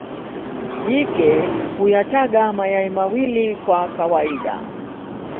Jike huyataga mayai mawili kwa kawaida.